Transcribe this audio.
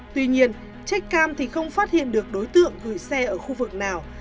tuy nhiên check cam thì không phát hiện được đối tượng gửi xe ở khu vực nào